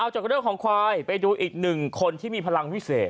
จากเรื่องของควายไปดูอีกหนึ่งคนที่มีพลังวิเศษ